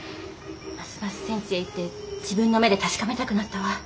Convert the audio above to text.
ますます戦地へ行って自分の目で確かめたくなったわ。